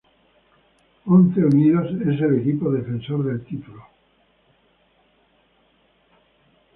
Onze Unidos es el equipo defensor del título.